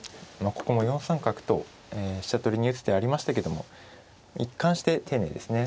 ここも４三角と飛車取りに打つ手ありましたけども一貫して丁寧ですね。